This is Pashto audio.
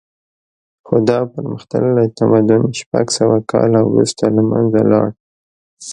خو دا پرمختللی تمدن شپږ سوه کاله وروسته له منځه لاړ